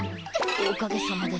おかげさまで。